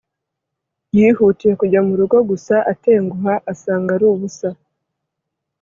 yihutiye kujya mu rugo gusa atenguha asanga ari ubusa